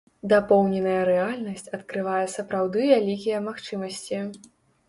Дапоўненая рэальнасць адкрывае сапраўды вялікія магчымасці.